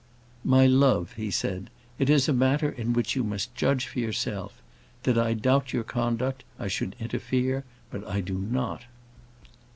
"My love," he said, "it is a matter in which you must judge for yourself. Did I doubt your conduct, I should interfere; but I do not."